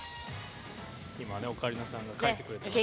今ねオカリナさんが書いてくれてます。